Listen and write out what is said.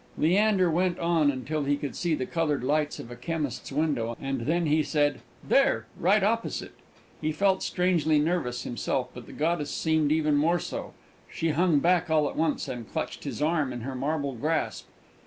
Leander went on until he could see the coloured lights of a chemist's window, and then he said, "There right opposite!" He felt strangely nervous himself, but the goddess seemed even more so. She hung back all at once, and clutched his arm in her marble grasp.